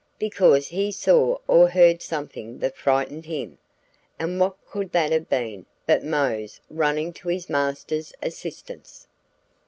Because he saw or heard something that frightened him, and what could that have been but Mose running to his master's assistance?"